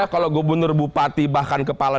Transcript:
kalau gubernur bupati bahkan kepala